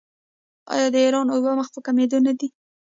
آیا د ایران اوبه مخ په کمیدو نه دي؟